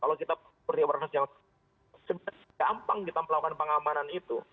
kalau kita seperti orang yang sebenarnya gampang kita melakukan pengamanan itu